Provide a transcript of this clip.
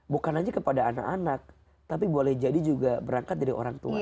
bukan saja kepada anak anak tapi boleh jadi juga berangkat dari orang tua